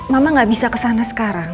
mama gak bisa kesana sekarang